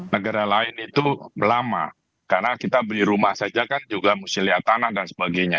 negara lain itu lama karena kita beli rumah saja kan juga mesti lihat tanah dan sebagainya